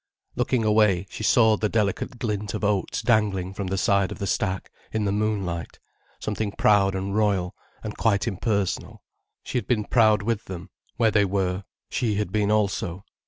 Looking away, she saw the delicate glint of oats dangling from the side of the stack, in the moonlight, something proud and royal, and quite impersonal. She had been proud with them, where they were, she had been also.